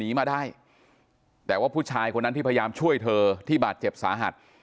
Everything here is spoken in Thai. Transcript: มาได้แต่ว่าผู้ชายคนนั้นที่พยายามช่วยเธอที่บาดเจ็บสาหัส